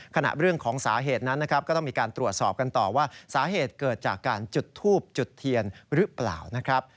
เรื่องของสาเหตุนั้นนะครับก็ต้องมีการตรวจสอบกันต่อว่าสาเหตุเกิดจากการจุดทูบจุดเทียนหรือเปล่านะครับ